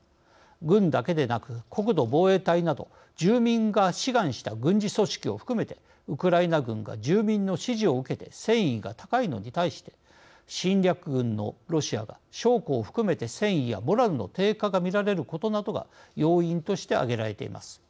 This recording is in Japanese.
軍だけでなく国土防衛隊など住民が志願した軍事組織を含めてウクライナ軍が住民の支持を受けて戦意が高いのに対して侵略軍のロシアが将校を含めて戦意やモラルの低下が見られることなどが要因として挙げられています。